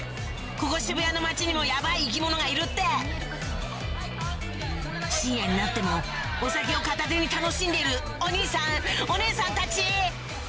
ここ渋谷の街にもヤバイ生き物がいるって深夜になってもお酒を片手に楽しんでいるお兄さんお姉さんたち！